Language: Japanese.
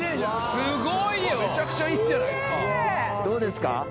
どうですか？